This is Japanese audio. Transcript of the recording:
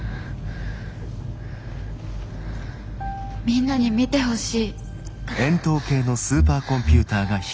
みんなに見てほしい。